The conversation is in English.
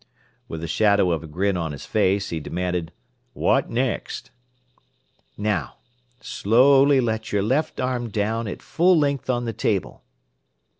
With the shadow of a grin on his face, he demanded, "Wot next?" "Now, slowly let your left arm down at full length on the table.